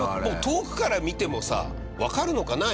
遠くから見てもさわかるのかな？